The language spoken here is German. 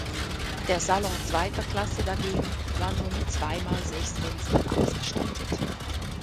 Der Salon zweiter Klasse dagegen war nur mit zweimal sechs Fenstern ausgestattet.